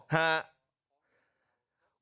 ครับ